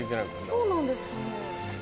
そうなんですかね。